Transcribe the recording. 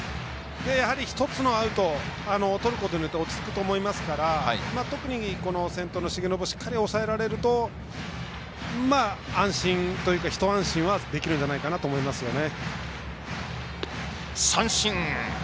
１つのアウトをとることで落ち着くと思いますから先頭の重信をしっかり抑えられると一安心はできるんじゃないかなと思いますね。